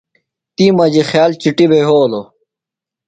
تی مجی خیال چِٹی بھے یھولو۔